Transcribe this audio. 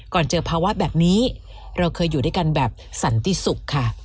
เจอภาวะแบบนี้เราเคยอยู่ด้วยกันแบบสันติสุขค่ะ